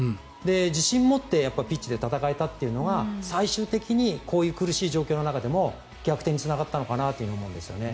自信を持ってピッチで戦えたというのが最終的にこういう苦しい状況の中でも逆転につながったのかなと思うんですね。